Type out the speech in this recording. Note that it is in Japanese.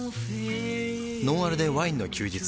「ノンアルでワインの休日」